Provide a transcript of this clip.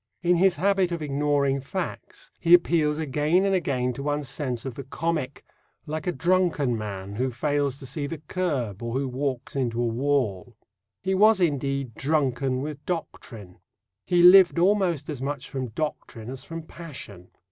In his habit of ignoring facts he appeals again and again to one's sense of the comic, like a drunken man who fails to see the kerb or who walks into a wall. He was indeed drunken with doctrine. He lived almost as much from doctrine as from passion.